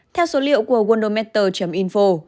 theo số liệu của worldometer info